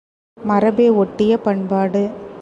மரபை ஒட்டிய பண்பாடு.